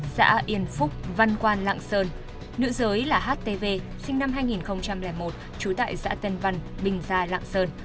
xã yên phúc văn quan lạng sơn nữ giới là htv sinh năm hai nghìn một trú tại xã tân văn bình gia lạng sơn